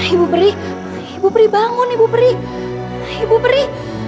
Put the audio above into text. ibu peri ibu peri bangun ibu peri